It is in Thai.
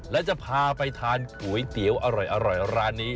และจะพาไปทานก๋วยเตี๋ยวอร่อยร้านนี้